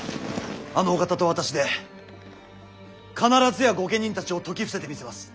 あのお方と私で必ずや御家人たちを説き伏せてみせます。